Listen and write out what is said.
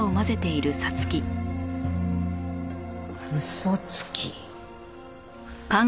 「嘘つき」。